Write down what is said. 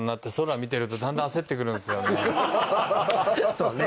そうね